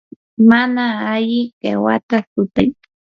mana alli qiwata sutay.